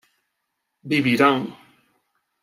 vivirán